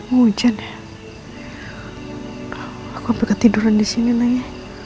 hujan ya aku hampir ketiduran disini lah ya